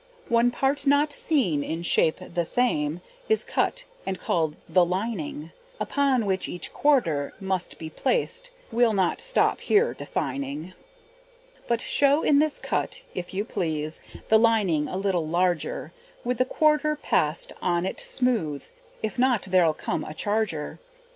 One part not seen, in shape the same, Is cut and called the lining, Upon which each quarter must be placed We'll not stop here defining But show in this cut, if you please, The lining a little larger, With the quarter pasted on it smooth, If not there'll come a charger.